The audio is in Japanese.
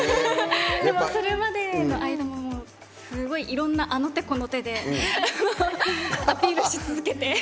それまで、すごいいろんなあの手この手でアピールし続けて。